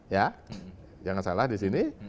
ya jangan salah di sini